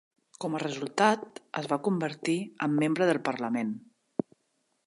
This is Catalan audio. Com a resultat, es va convertir en membre del parlament.